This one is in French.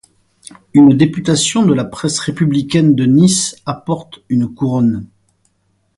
Une députation de la presse républicaine de Nice apporte une couronne.